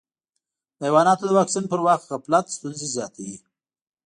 د حیواناتو د واکسین پر وخت غفلت ستونزې زیاتوي.